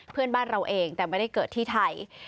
เพื่อนบ้านเราเองแต่ไม่ได้เกิดที่ไทย